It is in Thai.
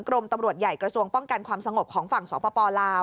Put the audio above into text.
ตำรวจใหญ่กระทรวงป้องกันความสงบของฝั่งสปลาว